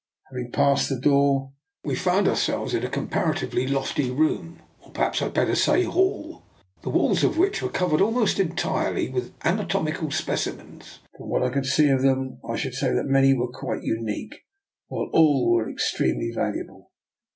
Having passed the door, we found our selves in a comparatively lofty room, or per haps I had better say hall, the walls of which were covered almost entirely with anatomical specimens. From what I could see of them I should say that many were quite unique, while all were extremely valuable.